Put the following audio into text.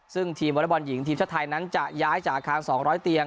ซึ่งทีมวอเล็กบอลหญิงทีมชาติไทยนั้นจะย้ายจากอาคาร๒๐๐เตียง